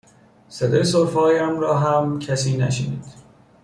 صدای سرفه هایم را هم کسی نشنید